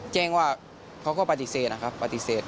แจ้งว่าเขาก็ปฏิเสธนะครับปฏิเสธ